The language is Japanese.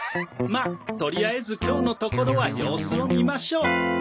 まあとりあえず今日のところは様子を見ましょう。